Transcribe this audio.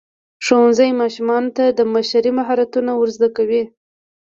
ښوونځی ماشومانو ته د مشرۍ مهارتونه ورزده کوي.